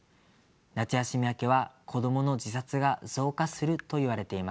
夏休み明けは子どもの自殺が増加するといわれています。